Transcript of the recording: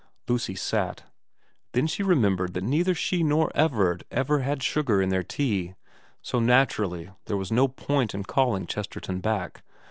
Lucy sat. Then she remembered that neither she nor Everard ever had sugar in their tea, so naturally there was no point in calling Chesterton back.